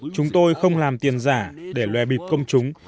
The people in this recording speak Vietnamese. chúng tôi không làm tiền giả để lòe bịp công chúng